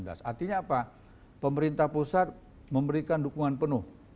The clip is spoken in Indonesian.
artinya apa pemerintah pusat memberikan dukungan penuh